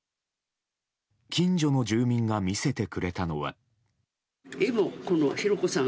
近所の住民が見せてくれたのは。